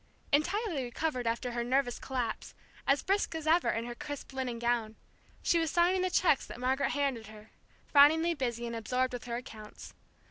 Entirely recovered after her nervous collapse, as brisk as ever in her crisp linen gown, she was signing the cheques that Margaret handed her, frowningly busy and absorbed with her accounts.